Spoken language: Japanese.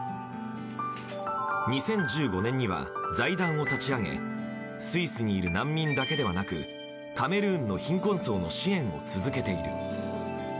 ２０１５年には財団を立ち上げスイスにいる難民だけではなくカメルーンの貧困層の支援を続けている。